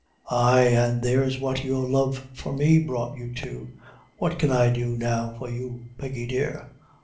Ay! an' there's what your love for me brought you to! What can I do now for you, Peggy dear?